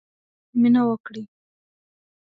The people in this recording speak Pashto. مینه وکړئ.